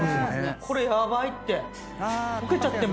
これヤバいって。